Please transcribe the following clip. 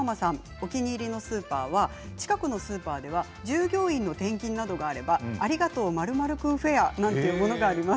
お気に入りのスーパーは近くのスーパーでは従業員の転勤があればありがとう○○フェアというのがあります。